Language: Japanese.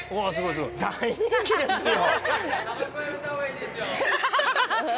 大人気ですよ。